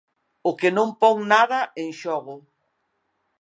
O que non pon nada en xogo.